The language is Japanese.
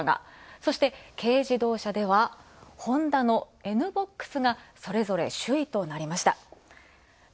そして軽自動車では、ホンダのＮ−ＢＯＸがそれぞれ、首位となりました。